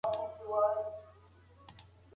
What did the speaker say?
انګلیس د خپل تاکتیک بدلولو ته اړ شو.